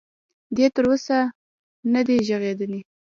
دې تر اوسه ندی ږغېدلی.